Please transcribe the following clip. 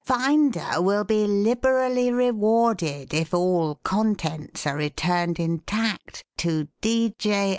Finder will be liberally rewarded if all contents are returned intact to "'D. J.